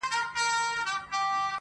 د ودانیو معمارانو ته ځي؛